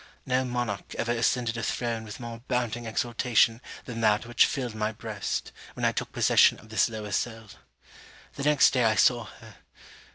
No monarch ever ascended a throne with more bounding exultation than that which filled my breast, when I took possession of this lower cell. The next day, I saw her.